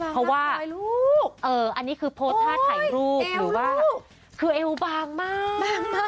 เพราะว่าอันนี้คือโพสต์ท่าถ่ายรูปหรือว่าคือเอวบางมาก